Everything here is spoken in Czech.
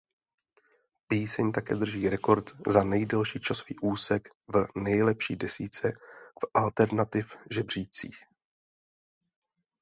Píseň také drží rekord za nejdelší časový úsek v nejlepší desítce v Alternative žebříčcích.